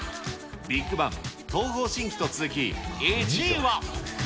ビッグバン、東方神起と続き、１位は。